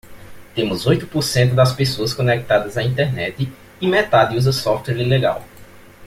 Temos oito por cento das pessoas conectadas à Internet e metade usa software ilegal.